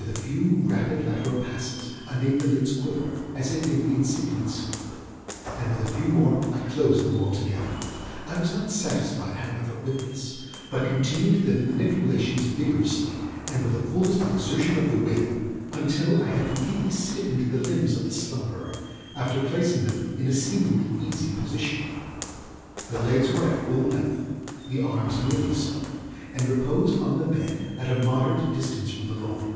With a few rapid lateral passes I made the lids quiver, as in incipient sleep, and with a few more I closed them altogether. I was not satisfied, however, with this, but continued the manipulations vigorously, and with the fullest exertion of the will, until I had completely stiffened the limbs of the slumberer, after placing them in a seemingly easy position. The legs were at full length; the arms were nearly so, and reposed on the bed at a moderate distance from the loin.